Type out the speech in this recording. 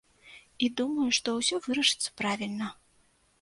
І думаю, што ўсё вырашыцца правільна.